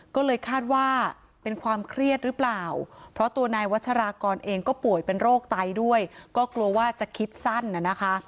ก็เลยคาดว่าเป็นความเครียดหรือเปล่าเพราะตัวนายวัชรากรเองก็ป่วยเป็นโรคไตด้วยก็กลัวว่าจะคิดสั้นน่ะนะคะ